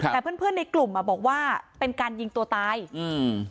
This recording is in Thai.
แต่เพื่อนเพื่อนในกลุ่มอ่ะบอกว่าเป็นการยิงตัวตายอืม